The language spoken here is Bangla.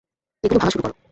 এগুলো ভাঙা শুরু কর।